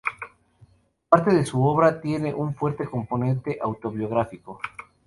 Parte de su obra tiene un fuerte componente autobiográfico.